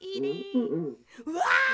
うわ！